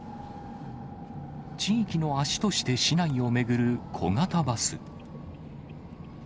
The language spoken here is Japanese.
地域の足として市内を巡る小型バス。